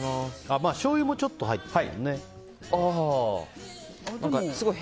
しょうゆもちょっと入ってる。